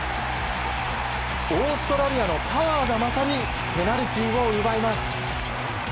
オーストラリアのパワーが勝りペナルティーを奪います。